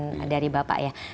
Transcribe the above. pengarahan dari bapak